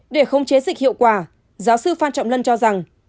để khống chế dịch hiệu quả giáo sư phan trọng lân cho rằng